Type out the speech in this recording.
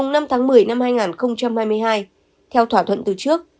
ngày năm tháng một mươi năm hai nghìn hai mươi hai theo thỏa thuận từ trước